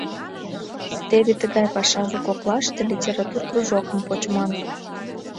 Теве тыгай пашазе коклаште литератур кружокым почман.